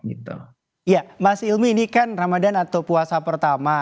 iya mas ilmi ini kan ramadan atau puasa pertama